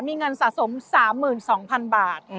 มีเงินสะสม๓๒๐๐๐บาท